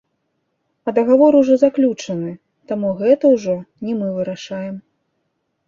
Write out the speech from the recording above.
А дагавор ужо заключаны, таму гэта ўжо не мы вырашаем.